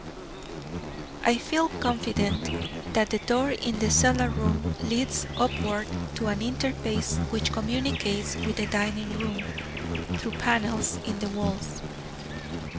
"I feel confident that that door in the cellar room leads upward to an interspace which communicates with the dining room through panels in the walls.